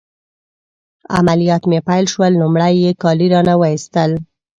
عملیات مې پیل شول، لمړی يې کالي رانه وایستل.